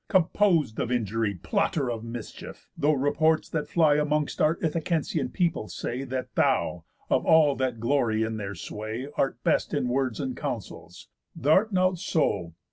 Compos'd of injury! Plotter of mischief! Though reports that fly Amongst our Ithacensian people say That thou, of all that glory in their sway, Art best in words and counsels, th' art not so.